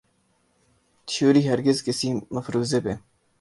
theory ہرگز کسی مفروضے پہ